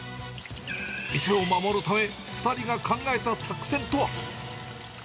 店を守るため、２人が考えた作戦とは。